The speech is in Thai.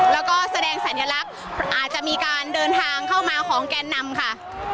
แล้วก็แสดงสัญลักษณ์อาจจะมีการเดินทางเข้ามาของแกนนำค่ะ